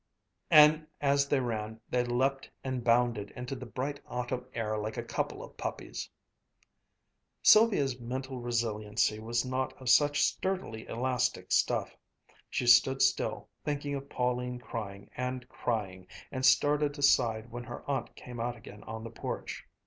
and as they ran, they leaped and bounded into the bright autumn air like a couple of puppies. Sylvia's mental resiliency was not of such sturdily elastic stuff. She stood still, thinking of Pauline crying, and crying and started aside when her aunt came out again on the porch.